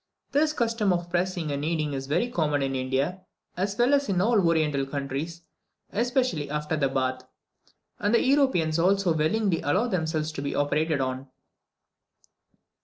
This custom of pressing and kneading is very common in India, as well as in all Oriental countries, especially after the bath; and Europeans also willingly allow themselves to be operated upon.